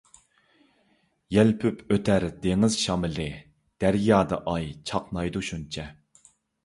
يەلپۈپ ئۆتەر دېڭىز شامىلى، دەريادا ئاي چاقنايدۇ شۇنچە.